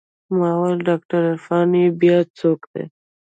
ما وويل ډاکتر عرفان يې بيا څوک دى.